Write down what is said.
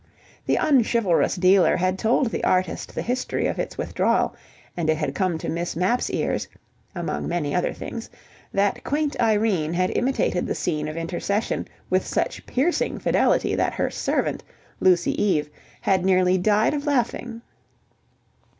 The unchivalrous dealer had told the artist the history of its withdrawal, and it had come to Miss Mapp's ears (among many other things) that quaint Irene had imitated the scene of intercession with such piercing fidelity that her servant, Lucy Eve, had nearly died of laughing.